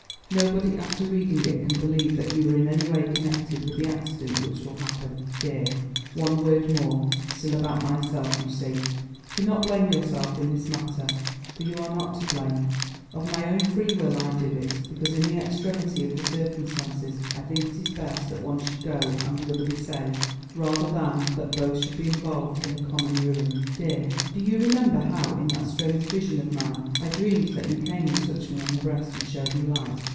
Nobody after reading it can believe that you were in any way connected with the accident which will happen. Dear, one word more—still about myself, you see! Do not blame yourself in this matter, for you are not to blame; of my own free will I do it, because in the extremity of the circumstances I think it best that one should go and the other be saved, rather than that both should be involved in a common ruin. "Dear, do you remember how in that strange vision of mine, I dreamed that you came and touched me on the breast and showed me light?